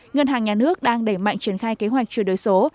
ngân hàng nhà nước đang đẩy mạnh triển khai kế hoạch chuyển đổi số